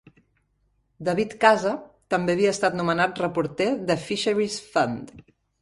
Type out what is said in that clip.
David Casa també havia estat nomenat reporter de Fisheries Fund.